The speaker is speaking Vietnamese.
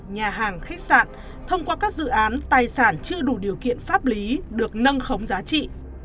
nhà hàng khách sạn thông qua các dự án tài sản chưa đủ điều kiện pháp lý được nâng khống giá trị